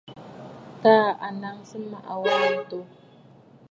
Taà à nɔʼɔ sɨŋ wa mmàʼà ǹto.